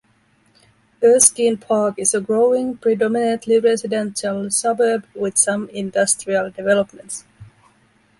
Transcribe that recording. Erskine Park is a growing, predominately residential suburb with some industrial developments.